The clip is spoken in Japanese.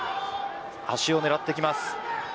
足を狙ってきます。